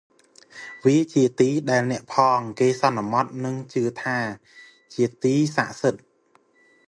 វាជាទីដែលអ្នកផងគេសន្មតនិងជឿថាជាទីស័ក្ដិសិទ្ធិ។